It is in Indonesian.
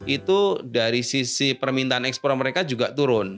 itu dari sisi permintaan ekspor mereka juga turun